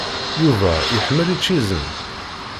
Yuba iḥemmel ičizen?